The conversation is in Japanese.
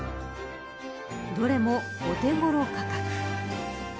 どれもお手ごろ価格。